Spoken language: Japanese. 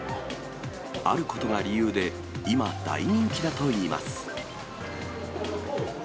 あることが理由で、今、大人気だといいます。